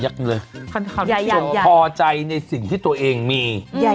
คำถามที่สุดพอใจในสิ่งที่ตัวเองมี